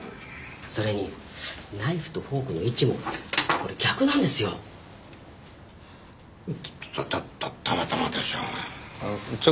それにナイフとフォークの位置もこれ逆なんですよたたたまたまでしょうあのちょっといいですかね？